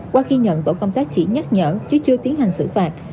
qua khi nhận tổ công tác chỉ nhắc nhở chứ chưa tiến hành xử phạt